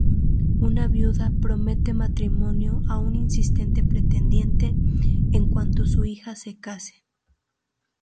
Una viuda promete matrimonio a un insistente pretendiente en cuanto su hija se case.